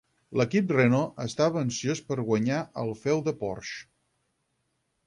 L'equip Renault estava ansiós per guanyar al feu de Porsche.